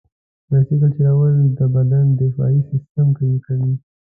بایسکل چلول د بدن دفاعي سیستم قوي کوي.